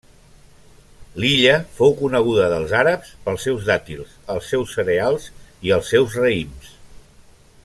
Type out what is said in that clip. L'illa fou coneguda dels àrabs pels seus dàtils, els seus cereals i els seus raïms.